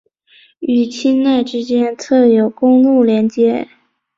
与钦奈之间则有公路连接。